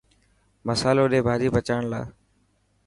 مصالو ڌي ڀاڄي پچائڻ لاءِ.